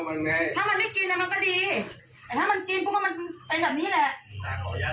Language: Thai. ทางด้านของเขาบอกว่า